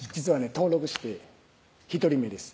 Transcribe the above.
登録して１人目です